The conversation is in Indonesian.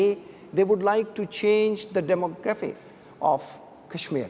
mereka ingin mengubah demografi jaman kashmir